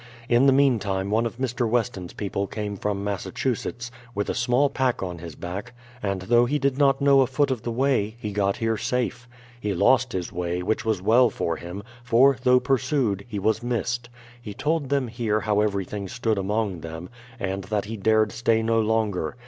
In the meantime one of Mr. Weston's people came from Massachusetts, with a small pack on his back; and though he did not know a foot of the way, he got here safe. He lost his way, which was well for him, for, though pursued, he was missed. He told them here how everything stood among them, and that he dared stay no longer.